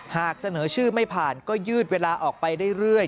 หากเสนอชื่อไม่ผ่านก็ยืดเวลาออกไปได้เรื่อย